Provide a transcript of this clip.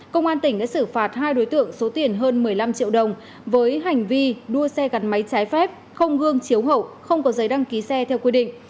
công an tỉnh đã xử phạt hai đối tượng số tiền hơn một mươi năm triệu đồng với hành vi đua xe gắn máy trái phép không gương chiếu hậu không có giấy đăng ký xe theo quy định